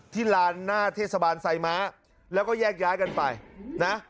ลานหน้าเทศบาลไซม้าแล้วก็แยกย้ายกันไปนะ